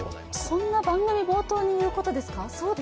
こんな番組冒頭に言うことですか！？